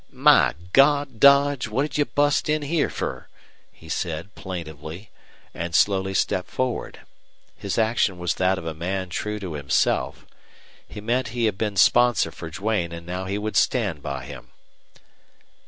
"My Gawd, Dodge, what'd you bust in here fer?" he said, plaintively, and slowly stepped forward. His action was that of a man true to himself. He meant he had been sponsor for Duane and now he would stand by him.